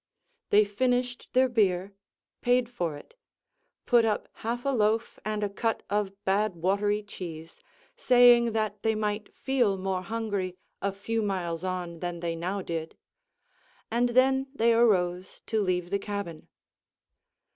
They finished their beer; paid for it; put up half a loaf and a cut of bad watery cheese, saying that they might feel more hungry a few miles on than they now did; and then they arose to leave the cabin.